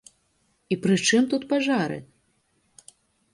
І пры чым тут пажары?